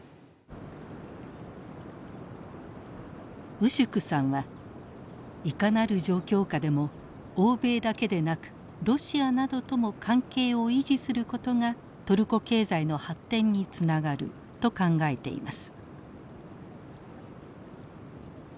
ウシュクさんはいかなる状況下でも欧米だけでなくロシアなどとも関係を維持することがトルコ経済の発展につながると考えています。